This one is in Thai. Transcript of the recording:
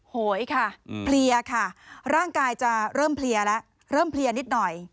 โหยค่ะเพลียค่ะร่างกายจะเริ่มเพลียแล้วเริ่มเพลียนิดหน่อย